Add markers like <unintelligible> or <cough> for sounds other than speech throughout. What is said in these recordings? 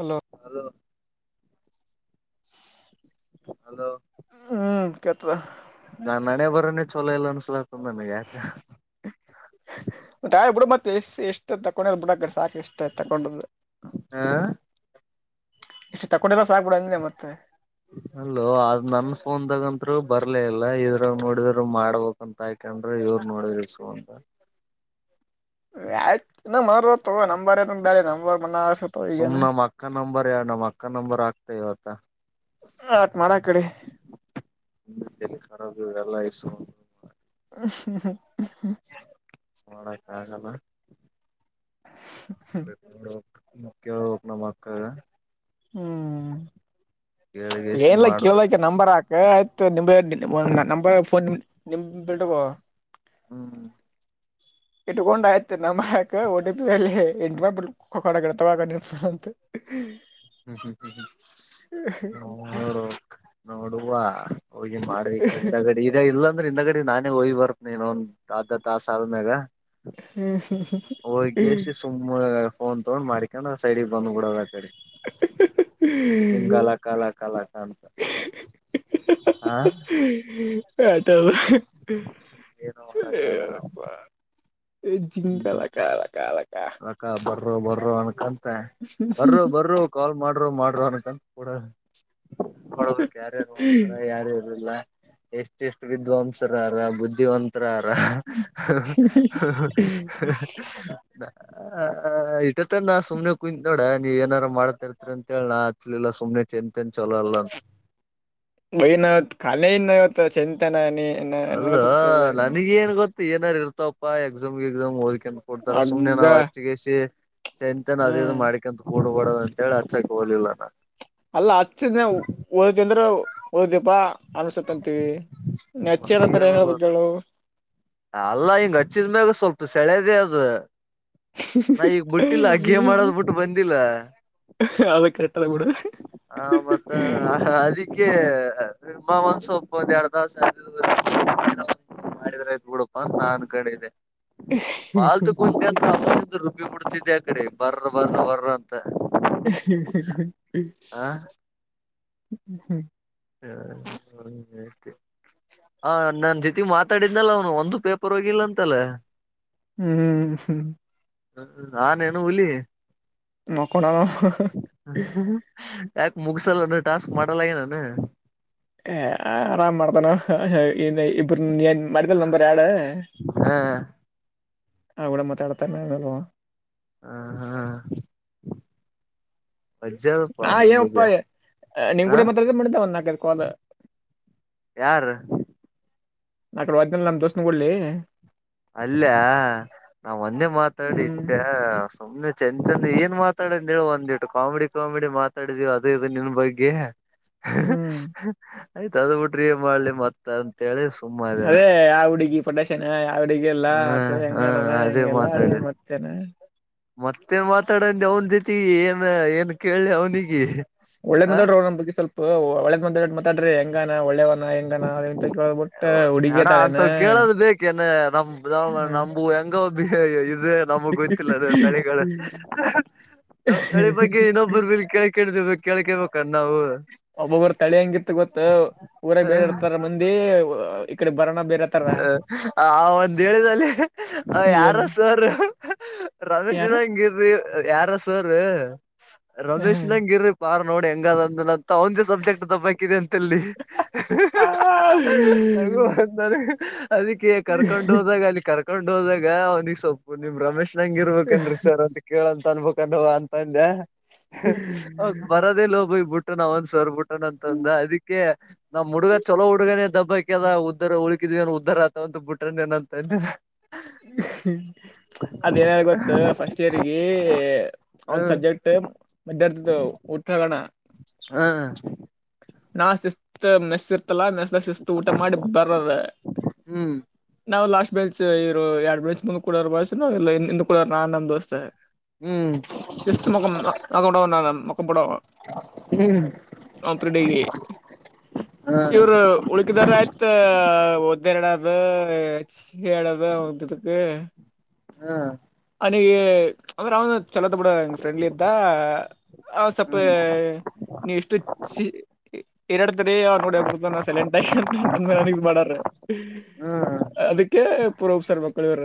Hello ಅದು hello ಹ್ಮ್ ಕೇಳ್ತದ ನಾನ್ ನನೆ ಬರೋನೇ ಚಲೋ ಇಲ್ಲ ಅನ್ಸಲತ ನನಗೆ ಯಾಕೆ ಬೇಸ್ ಇಷ್ಟ ತಗೊಂಡ್ರ ಬ ಬಿಡಗಡೆ ಸಾಕು ಇಷ್ಟ ತಗೊಂಡು ಹಾ ಎ ತಕಡೆ ಅಲೋ ಅದು ನನ್ನ ಫೋನ್ದಾಗ ಇದ್ರು ಬರ್ಲ ಇಲ್ಲ ಇದ್ರ ನೋಡಿದ್ರರು ಮಾಡ್ಬೇಕಕ್ ಅಂತ ಹಾಕೊಂಡ್ರೆ ಇವ್ರ ನೋಡಿದ್ರಸ ಅಂತ ನ ಮರ ನಂಬರ್ಾ ನಂಬ ಸುಮ ನ ಮಾ ಅಕ್ಕ ನಂಂಬರ್ ಯಾವ ನ ಮಾ ಅಕ್ಕಾ ನಂಂಬರ್ ಆಗತ ಇವತ ಆತ್ ಮಾಡಳಾ ಕಡೆ ಖರ ಎಲ್ಲ ಇ ಹ ನಡ ಕಾಗಲ್ಲ ಹ್ಮ ಕ ಹಕ್ನ ಮಾಕ್ಕ ಹ್ಮ್ ಹ ಏನ್ಿಲ್ಲ ಕೇಳಕ ನಂಬರ್ ಹಾಕ ಆಯ್ತು ನಿಮ ನಂಬರ್ ಫೋನ್ ನಿ ಬಿಟೋ ಹ್ಮ ಇಟ್ಕೊಂಡ ಆಯ್ತು ನಮ್ಮಕ ಒ ಟಿ ಪಿ ಹೇಳಿ <unintelligible> ನೋಡು ನೋಡುವ ಹೋಗಿ ಮಾಡೋದಿಕ್ಕೆನು ಗಡಿ ಈಗ ಇಲ್ಲ ಅಂದ್ರೆ ಹಿಂದ ಗಾಡಿ ನಾನೇ ಹೋಗಿ ಬರ್ತೀನಿ ಇನ್ನೊಂದ ಅರ್ಧ ಸಾಗ್ಮೇಗಾ ಓಕೆ ಹೋಗೇಶಿ ಸುಮ್ನೆ ಫೋನ್ ತಾನು ಮಾಡಿಕೊಂಡು ಸೈಡಿಗೆ ಬಂದ್ಬಿಡದ ಆ ಕಡೆ ಜಿಂಗಾ ಲಕ ಲಕ ಹಾ ಶ ಡಾ ಏನು ಮಾಡಕ್ಕ ಆಗಲ್ಲ ಈ ಜಿಂಗಗಳ ಕಾಲ ಕಾಲ ಅಕ್ಕ ಬರರು ಬರರು ಅನ್ಕಂತ ಬರ್ರೋ ಬರ್ರೋ ಕಾಲ್ ಮಾಡ ಮಾಡ್ರೋ ಮಾಡ್ರೋ ಅನ್ಕೊಂತ ನೋಡಬೇಕು ಯಾರ್ಯಾರು ಮಾಡ್ತಾರೆ ಯಾರ್ಯಾರ್ ಇಲ್ಲ ಎಷ್ಟೆಷ್ಟು ವಿದ್ಯಾವಂತ್ರು ಅದರ ಬುದ್ಧಿವಂತರು ಆದರೆ ರಾರಾ ಇಟ್ಟತ್ತ ನಾ ಸುಮನೆ ಕುಯತ್ ನೋಡ ನೀವ ಏನಾರ ಮಾಡ್ತಾರ್ತರಿ ಅಂತ ಹಚ್ಲಿಲ್ಲ ಸುಮ್ಮನಿರು ಬೈನಾಥ್ ಕಾಲಿನಾಥ್ ಚಿಂತೆ ನಾನೇನಾ ಲೋ ನನಗೆ ಗೊತ್ತು ಏನಾರು ಇರ್ತವಪ್ಪ ಎಕ್ಸಾಮ್ ಗೆ ಹೋಗಿ ನಾವು ಕೊಡ್ತಾರ ಸುಮನೆ ಹಗ್ಗ ನಾವು ರಚ್ಚುಗಾಯಿಸಿಚಂತನ್ ಅದ ಹ್ಮ್ ಮಾಡಿಕೊಂಡಂತ ಕೂಡ್ಬಡೋದ ಅಂತ ಹೇಳಿ ಅಚ್ಚಕ್ಕೆ ಹೋಗಲಿಲ್ಲ ನಾ ಅಲ್ಲ ಹಚ್ಚ ಹೋದಂದ್ರೆ ಹೋದ್ಯಪ್ಪ ಅನ್ಸುತ್ತಂತೀವಿ ಅಚ್ಚದ ಅಂದ್ರೆ ಏನ್ ಹೇಳಳ್ಬೇಕ ಹೇಳು ಅಲ್ಲ ಅಚ್ಚಿದ್ಮೇಲೆ ಸೆಳೆದೆ ಅದು ನಾ ಈಗ್ ಬಿಟ್ಟಿಲ್ಲ ಗೇಮ್ ಆಡೋದು ಬಿಟ್ಟು ಬಂದಿಲ್ಲ ಅದ ಕರೆಕ್ಟ್ ಅದ ಬಿಡು ಹ ಮತ್ತ ಅದಕ್ಕೆ ಬಾ ಸೊಪ ಅಂದು ಎರಡು ತಾಸು ಮಾಡಿದ್ರೆುಡಪ್ಪ ಅ ನಾನ್ ಕಡೆ ಇದೆ ಮಾತಿಕೊಂಡ್ರೆ ಬಿಡ್ತಿದಿದ್ದೆ ಆ ಕಡೆ ಬರ ಬರ ಬರಂತ ಹ್ಮ್ ಅವನು ನಂಜೊತೆ ಮಾತಾಡಿದ್ನಲ್ಲ ಅವನು ಒಂದು ಪೇಪರ್ ತಪ್ಪಾಗಿಲ್ಲ ಅಂತಲ್ಲ ಹ್ಮ್ ಹ್ಮ್ ನಾನೇನು ಹುಲಿ ಮಕ್ಕೊಂಡಾನ ಯಾಕೆ ಮುಗ್ಸಲಾಗದಲ್ಲೇನು ಟಾಸ್ಕ್ ಮಾಡಲಾಗಲಿಲ್ಲೇನು ಆರಾಮ್ ಮಾಡೋಣ ನೀ ಇಬ್ಬರು ಮಡಿದಲ್ ನಂಬರ್ ಯಾಡ್ ಹ ನಾನ್ ಬಿಡು ಮಾತಾಡ್ತೀನಿ ಹ ಹಾ ಅಜ್ಜರಪ್ಪ ನಾ ಏನಪ್ಪಾ ನಿಮಗೆ ನಿನ್ ಕೂಡ ಮಾತಾಡಿದ ಮಾಡಿದ್ದ ಒಂದ್ ನಾಲ್ಕೈದು ಕಾಲ್ ಯಾರು ನ ಅಕಡೆ ವದಿನ ನಮ್ಮ ದೋಸ್ನ ಕೊಡ್ಲಿ ಅಲ್ಲಿ ನಾನು ಒಂದೇ ಹ್ಮ್ ಮಾತಾಡಿಟ್ಟೆ ಸುಮ್ಮನೆ ಚಂ ಚಂಡ ಕಾಮಿಡಿವಾಗಿ ಮಾತಾಡಿದ್ವಿ ನಿಮ್ಮ ಬಗ್ಗೆ ಹ್ಮ್ ಆಯ್ತ ಅದ ಬಿಟ್ರಿ ಏ ಮಾಡ್ಲಿ ಮತ್ ಅಂತ ಹೇಳಿ ಸುಮ್ಮನೆ ಪಟೇಶನ ಯಾವಡಿಗೆಲ್ಲ ಅಥ ಹೆಂಗ ಹಾ ನಡನ ಹೆಂಗೆಲ್ಲ ಅದೇ ಮಾತಾಡಿ ಮತ್ತೆನಾ ಮತ್ತೇನ್ ಮಾತಾಡ್ತಿಗೆ ಜೊತೆಗೆ ಏನ್ ಕೇಳಿ ಅವನಿಗೆ ಒಳ್ಳೇದ್ ಆ ಮಾತಾಡ್ರೋ ನಮ್ಮ ಬಗ್ಗೆ ಒಂದು ಸ್ವಲ್ಪ ಒಳ್ಳೆದ್ ಮಾತಾಡ್ರಿ ಹೆಂಗವ್ವ ಒಳ್ಳೆಯದು ಯಂಗ್ ಅಂತ ಕೇಳಬಿಟ್ಟು ಹಣ ಹುಡುಗಿಯರು ಅಂತವ್ ಕೇಳೋದು ಸಂಂಗಬಿ ಇ ನಮಗ್ ಗೊತ್ತಿಲ್ಲದ ತಳಿಗಳು ನಮ್ ತಳಿ ಬಗ್ಗೆ ಇನ್ನೊಬ್ಬ ಇನ್ನೊಬ್ಬರು ಬಗ್ಗೆ ಕೇಳೋಕೆ ಒಬ್ಬರು ತಲೆ ಹೆಂಗೆ ಗೊತ್ತಾ ಊರಾಗೆ ಬೇರೆತರ ಮಂದಿ ಇ ಕಡೆ ಬರೋಣ ಬೇರೆತರ ಆ ಒಂದ್ ಹೇಳಿದಲ್ಲಿ ಯಾರ ಸಾರ ರಮೇಶ್ಿನ ಯಾರ ಹೆಂಗ ಯಾರ ರಮೇಶ್ ನಂಗ ಇರಿ ಪಾರ್ ನೋಡಿ ಹೆಂಗ ಅ ಅಂದ ಅಂತ ಒಂದೇ ಸಬ್ಜೆಕ್ಟ್ ತಬ್ಬಬೇಕಕಿದೆ ಅಂತ ಹೇಳಲ್ಲಿ ಅಗ ಅಂತಾರೆ ಅದಕ್ಕೆ ಕರ್ಕೊಂಡ್ ಹೋದಾಗ ಅಲ್ಲಿ ಕರ್ಕೊಂಡ್ ಹೋದಾಗ ಅವ್ನಿಿಗೆ ಸೊಪ್ಪು ನಿಮ್ ರಮೇಶ್ ನಂಗ ಇರ್ಬೇಕನ್್ರೀ ಸರ್ ಅಂತ ಕೇಳಂತ ಅನ್ಬಬೇಕವ ಅಂತ ಅಂದ ಅವ ಬರದೇ ಲೋಬಯಬುಟ್ಟು ನ ಅವ ಒಂದ ಸರ್ಬುಟ್ಟನ ಅಂತಂದ ಅದಿಕ್ಕೆ ನಮ್ಮ್ ಹುಗ ಚಲೋುಗನೇ ದಬ್ಬಾಕದ ಉದ್ದರ ಉಳಕಿದ್ ಏನ ಉದ್ದರ ಆತಂತ ಬ ಬಿಟ್ರನ ಏನಂತ ಹ್ಮ ಅದ ಏನ ಗೊತ್ತು ಫಸ್ಟ್ ಇಯರ್ಗಿ ಒಂದ್ ಹ್ಮ್ ಸಬ್ಜೆಕ್ಟ್ ಮರ್ತ ಉಠಗಣ ಹಾ ನಾ ಸಿಸ ಮಸ ನೆಸ್ ಶಿಸ್ತು ಊಟ ಮಾಡಿ ಬರ್ರ ಹ್ಮ್ ನಾವು ಲಾಸ್ಟ್ ಮಚ್ ಇರು ಎರಡ್ ಮೆಚ್ ಮುಂದ್ ಕುಡೋರ್ ಬಳಸ ನವುಿಂದ ಕೂಡೋ ನಮ ದೋಸ್ತ್ ಹ್ಮ್ ಸಸ್ತ ಮುಖ ಅಡ ನ ಮುಖ ಪಡ ಹ್ಮ್ ಹ್ಮ್ ಇವರು ಉಳಕಿದಾರ ಆಯ್ತ ಓದ್ದೇ ಎಡಾದಡಾದ ಒಕ್ಕೆ ಹಾ ಅಂದ್ರೆ ಅವನು ಚಲೋದ ಬಿಡ ಹೆಂಗ ಫ್ರೆಂಡ್ಲಿ ಇದ್ದ ಅವ ಸಪ್ಪ ನೀಷ್ಟ ಚ ಎರಡ್ತರಿೀ ನೋಡಿ ಹಂಗ ಸೈಲೆಂಟ್ ಆಯಿ ಅಂತ ನನ್ ಮನಾನ ಮಾಡ್ರ ಹ್ಮ್ ಹ್ಮ್ ಅದಕ್ಕೆ ಪುರಸರ್ ಮಕ್ಕಳ ಇವ್ರ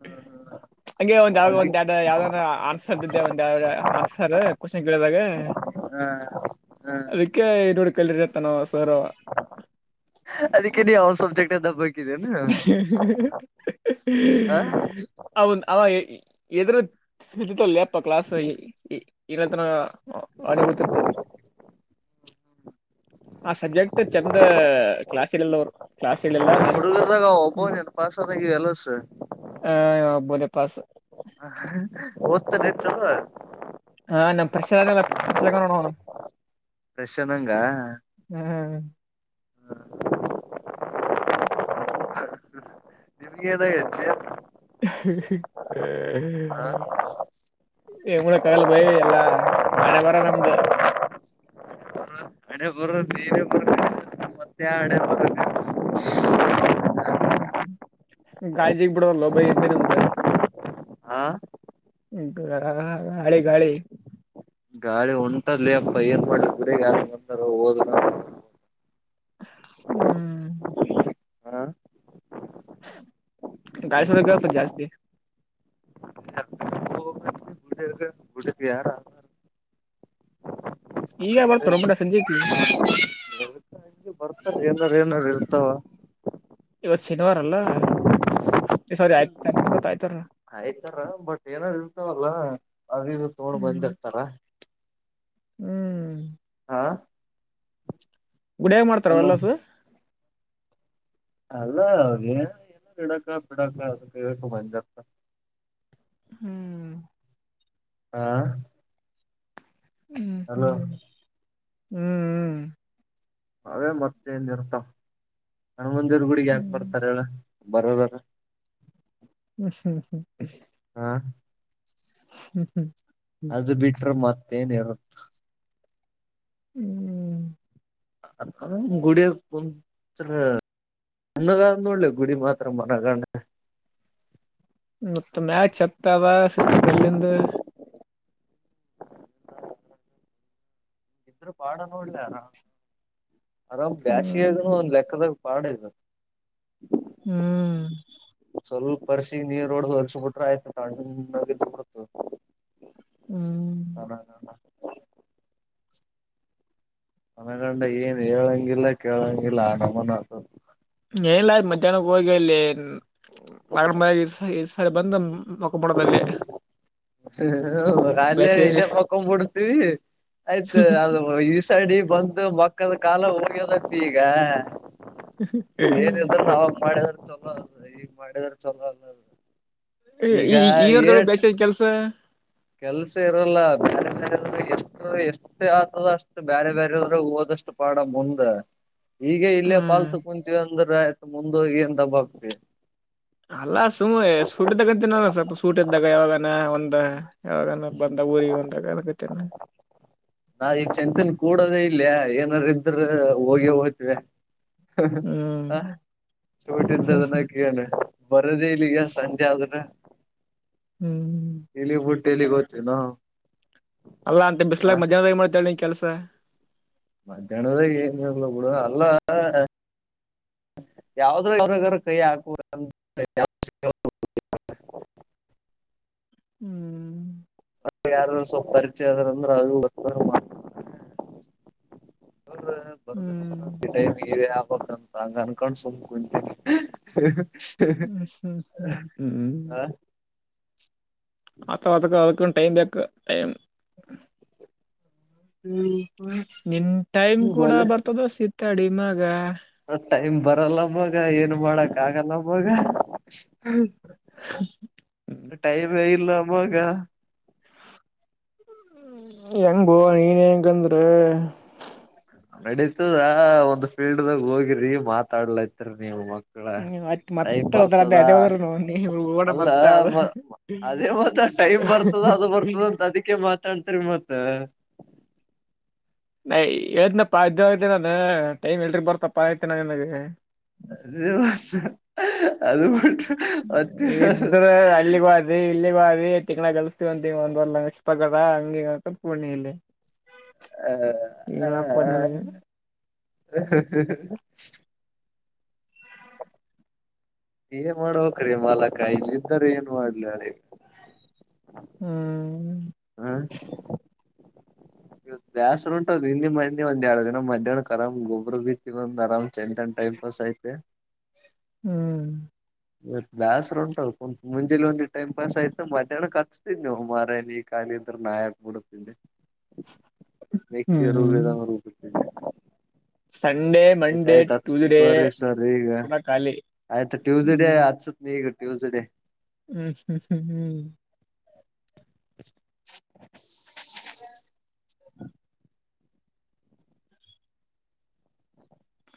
ಹ್ಮ ಹ್ಮ ಹಂಗೆ ಒಂದ್ ಯಾವಾಗ ಒಂದ ಎಡು ಯಾವ್ದ ಆನ್ಸರ್ದ್ದೆ ಒಂದ ಎ ಆನ್ಸರ್ ಕ್ವಶನ್ ಕೇಳಿದಾಗ ಹ್ಮ ಅದಕ್ಕೆ ನೋಡಿ ಕಲ್ರಿತ ನ ಅದಕ್ಕೆ ನೀ ಅವ ಸಬ್ಜೆಕ್ಟ್ ಎ ಹಬ್ಬಕಿದ್ದೀ ಹ ಅವನು ಇದರ ಪ್ ಕ್ಲಾಸ್ ಇಲ್ಲತ್ರನ ಅನೆ ಗೊತ್ತಿತ್ತು ಆ ಸಬ್ಜೆಕ್ಟ್ ಚೆಂದ ಕ್ಲಾಸ್ ಎಲ್ಲರು ಕ್ಲಾಸ್ ಎಲ್ಲ ನ ಹ ಒಬನ್ ಪಾಸ್ವ ಎಲ್ಲ ಹ ಬೋಲೆ ಪಸ್ ಹ ಹದತ ನೀ ಚಲೋ ಹಾ ಪ್ರಶ ಪ್ರಶಣ ಹಣ ಚೆನ್ನಂಗ ನಿಮಗೆನ ಹೆಚ್ಚಿನ.. ಹಾಹಮ್ ಏನ ಮೂಡಕ್ಕ ಆಗಲ್ಲ ಭೈ ಎಲ್ಲಾ ಹಣೆ ಬರಹ ನಮ್ದ ಹಣೆ ಬರ ನೀನ ಬರಕೊಂಡಿ ಮತ್ತ ಯಾವ ಹಣೆ ಬರ ನಿಂದ ಗಾಯ್ಜಿಗ್ ಬಿಡವಲ್ಲ ಬೈ ಎಂದಿನಿಂದ ಹಾ ಆ ಗಾಳಿ ಗಾಳಿ ಗಾಳಿ ಹೊಂಟದ ಲೇ ಯಪ್ಪಾ ಏನ್ ಮಾಡ್ಲಿ ಬರೇ ಗಾಡಿಗ ಯಾರ ಬಂದಾರ ಹೋದ ಹ್ಮ್ ಗಾಡಿ ಸೌಂಡ್ ಕೇಳ್ತದ ಜಾಸ್ತಿ ಗುಡ <unintelligible> ಈಗ ಯಾರ ಬರತಾರೋ ಮಗಾ ಸಂಜಿಕಿ ಬರ್ತಾರ ಏನಾರ್ ಏನಾರ ಇರ್ತಾವ ಇವತ್ ಶನಿವಾರ ಅಲ್ಲ ಈ ಸಾರಿ ಆಯ್ತವತ್ ಇವತ್ತ ಐತೆರ ಐಯ್ತಾರ ಬಟ್ ಏನಾರ ಇರ್ತವಲ್ಲ ಅದು ಇದು ತಗೊಂಡ ಹ್ಮ್ ಬಂದಿರ್ತಾರ ಹ್ಮ್ ಹಾ ಗುಡಿಯಾಗ ಮಾಡತಾರ ಅಲೋ ಅವೆಲ್ಲಾದೂ ಅಲ್ಲ ಏನ ಇಡಕ ಬಿಡಕ ಅದಕ ಏಕ ಮಂಜತ ಹ್ಮ್ ಹಾ ಹ್ಮ್ ಹ್ಮ್ ಹ್ಮ್ ಹ್ಮ್ ಅವೇ ಮತ್ತೇನ್ ಇರ್ತಾವ ಹನಮಂತ ದೇವರ ಗುಡಿಗೆ ಯಾಕ ಬರ್ತಾರ ಹ್ಮ್ ಹೇಳ ಬರಬರ ಹುಮ್ಮ ಹಾ ಹ್ಮ್ ಹ್ಮ್ ಅದು ಬಿಟ್ರ ಮತ್ತೇನ ಇರುತ್ತ ಹ್ಮ್ ಅದ ಗುಡಿಯಾಗ ಕುಂತ್ರ. ಅಣ್ಣಗಾಲನ್ನೂಳ್ಳ ಗುಡಿ ಮಾತ್ರ ಮನಗಂಡ ಮತ್ತ ಮ್ಯಾಚ್ ಹತದ ಶಿಸ್ತು ಕಲ್ಲಿಂದು ಇದ್ರ ಪಾಡ ನೋಡ್ಲರ ಅರಾಮ್ ಬ್ಯಾಸಿಯಾಗನು ಹ್ಮ್ ಒಂದ ಲೆಕ್ಕದಾಗ ಪಾಡ ಈಗ ಹ್ಮ್ ಸ್ವಲ್ಪ ಪರ್ಸಿಗೆ ನೀರ ಹೊಡದ ವರಿಸಿ ಬಿಟ್ರಆಯ್ತ ನೋಡ ತಣ್ಣಗ ಇದ್ದ ಬಿಡತ್ತ ಹ್ಮ್ <unintelligible> ಮನಗಂಡ ಏನ್ ಹೇಳಂಗಿಲ್ಲ ಕೇಳಂಗಿಲ್ಲ ಆ ನಮ್ಮನ ಅದ. ಹೇ ಇಲ್ಲ ಮಧ್ಯಾಹ್ನಕ್ಕೆ ಹೋಗೆಲ್ಲಿ. ಮ ಮ ಈ ಸಲಾ ಬಂದ ಮಕ್ಕೊಬಿಡೋದಲ್ಲೇ ಹುಂ ಅಲ್ಲೇ ಇಲ್ಲೇ ಮಕ್ಕೊಂಬಿಡತಿ ಆಯ್ತು ಅದು ಈಸೈಡಿ ಬಂದು ಮಕ್ಕಂಡ್ ಕಾಲ ಹೋಗ್ಯದಂತ ಈಗ ಅದ ಏನಿದ್ರ ನಾವ್ಯಾಗ ಮಾಡಿದ್ರ ಚಲೋ ಅದ ಈಗ ಮಾಡಿದ್ರ ಚೊಲೋ ಅಲ್ಲ ಅಲ್ಲ. ಏ ಈ ಈರ್ದೊಳ ಬೇಸ್ಯಾನ್ ಕೆಲ್ಸ ಕೆಲ್ಸ ಇರಲ್ಲ ಬೇರೆ ಬೇರೆವರು ಎಷ್ಟ ಎಷ್ಟೇ ಆತದ ಅಷ್ಟು ಬೇರೆ ಬೇರೆೆಯವರು ಓದ ಆದಷ್ಟ ಪಾಡ ಮುಂದ ಈಗ ಇಲ್ಲೇ ಹ್ಮ್ ಪಾಲ್ತು ಕುಂತೀವಿ ಅಂದ್ರ ಮುಂದೋಗಿ ಏನ್ ದಬ್ಬ ಹಾಕ್ತಿವಿ. ಅಲ್ಲ ಸುಮ್ ಸ್ಕೂಟಿ ತುಗೋತೇನ ಅಲ್ಲ ಸ್ವಲ್ಪ ಸುಟಿ ಇದ್ದಾಗ ಯಾವಾಗ ಅರಾ ನ ಒಂದ ಯಾವಾಗ ಅರಾ ಬಂದಾಗ ಊರಿಗೆ ಒಂದಾಗ ಅದಕಟನ ನಾ ಈ ಚಂತನ್ ಕೂಡೋದೇ ಇಲ್ಲಯ ಏನಾರ ಇದ್ರ ಹೋಗಿ ಹೋಗ್ತಿವೆ ಹ ಹ್ಮ್ ಹ ಹ್ಮ್ ಚೋಟ್ದದನ್ನ ಕಣ ಅದ ಇಲ್ಲಿ ಈಗ ಸಂಜೆ ಆದ್ರೆ ಹ್ಮ್ ಟಲಿಫುಡ್ ಟಲಿ ಗೊತನೋ ಅಲ್ಲಾ ಅಂತ ಬಿಸ್ಲಾ ಮಧ್ಯಾಹ್ನದಾಗೆ ಏನ್ ಮಾಡ್ತೇಳ ನಿನ್ ಕೆಲ್ಸ ಹಾಂ ಹಾಂ ಯಾವ್ದ್ರ್ರಗರು ಕೈ ಹಾಕುವ <unintelligible> ಹ ಹ್ಮ್ ಯಾರರು ಸ್ವಲ್ಪ ಪರಿಚಯ ಅದರ ಅಂದ್ರೆ ಅದು <unintelligible> ಹ್ಮ್ ಹಿ ಟೈಮ್ ಇ ಆಬಬೇಕಂತ ಹಂಗ ಅನ್ಕೊಂಡ್ ಸುಮ್ ಕುಂತೀನಿ ಹ್ಮ್ ಹ್ಮ್ ಹ್ಮ್ ಹಾ ಆಥ ಅದಕ್ಕ ಅದಕ್ಕ ಟೈ್ ಬಕ್ ಟೈಮ ಹ್ಮ್ ನಿನ್ ಟೈಮ್ ಕೂಡ ಬರ್ತದ ವಾಸಿ ತಾಡಿ ಮಾಗ ಟೈಮ್ ಬರಲ್ಲ ಮಗ ಏನು ಮಾಡಕ್ ಆಗಲ್ಲ ಮಗ ಟೈಮೇ ಇಲ್ಲ ಮಗ ಹೆಂಗ್ ಬೋವ ನೀನ್ ಹೆಂಗಂದ್ರೆ ನಡೀತದ ಒಂದ್ ಫೀಲ್ಡ್ಗ ಹೋಗಿರಿ ಮಾತಾಡ್ಲತ್ರಿ ನೀವ್ ಮಕ್ ಹ್ಮ್ ಮತ್ ಟೈಪ್ ಮತ್ತ ಅದೇ ಬರ್ತದಾ ಅದೇ ಹೋದ್ರ ನೀ ಓಡ ಅಲ್ಲ ಮತ್ತ ಅದು ಅದೇ ಟೈಮ್ ಬರ್ತದ ಅದು ಬರ್ತದ ಅಂತ ಅದಕ್ಕೆ ಮಾತಾಡ್ತರಿ ಮತ್ತ ನ ಹೇಳ್ನಪ್ಪ ಇದ ಆ ನಾನು ಟೈಮ್ ಎಲ್ರಿ ಬರ್ತಪ್ಪಾ ಆಯತಿ ನ ನನಗೆ ಅದ ಅದುಟ್ಟ ಇದ್ರೆ ಅಲ್ಲಿಗೆ ಅದು ಇಲ್ಲಿ ಬಾವಿ ತಿಂಗಗಳ ಕಲ್ಸಸ್ತೀವ ಅಂತ ಒಂದ್ ಬರ್ಪಗಡ ಹಂಗಿ ಅಂತ ಪೂರ್ಣೆಲ್ಲಿ ನನಗೆ ಹ ಹ ಏ ಮಾಡ್ಬೇಕಕ್ರೀ ಮಾಲಕ ಇಲ್ಲ್ದರು ಏನ್ ಮಾಡ್ಲಿ ಅದ ಹ್ಮ್ ಹಾ ಇ ದೇಸರು ಉಂಟದ್ ಇಲ್ಲಿ ಮಂದಿ ಒಂದ ಎರಡು ದಿನ ಮಧ್ಯಾಹ್ನ ಕರ್ ಗೊಬ್ಬರು ಬಿತ್ತ ಒ್ ಆರಾಮ್ ಚಂದಂಟ ಟೈಮ್ ಪಾಸ್ ಆಯ್ತೆ ಹ್ಮ್ ಬಾಸರು ಉಂಟ ಕುತ್ ಮುಂಜೆಲಿ ಒಂದಿ ಟೈಮ್ ಪಾಸ್ ಆಯ್ತ ಮಧ್ಯಾಹ್ನಕ್ ಹಚ್ತಿದ್ ನೀವು ಮಾರಲಿ ಈ ಕಾಲಿ ನಾಯಕ್ ಬಿಡುತ್ತಿ ಹ್ಮ್ ಮಿಕ್ಸಿಲಿ ಹ್ಮ್ ರುಬ್ಬಿಟ್ಟಗ್ ಬಿಡುತ್ತಿದ್ದೆ ಸಂಡೇ ಮಂಡೇ ಆಯ್ತಾಯಯ್ತ ಅತ್ ಟ್ಯೂಸ್ಡೇ ತೊಗೋರಿ ಸರಿ ಈಗ ಪುನಃ ಖಾಲಿ ಆಯ್ತ ಟ್ಯೂಸ್ಡೆ ಹ್ಮ್ ಆಸತ್ ನೀಗ ಟ್ಯೂಸ್ಡೇ ಹ್ಮ್ ಹ್ಮ್ ಹ್ಮ್ ಹ್ಮ್ ಹ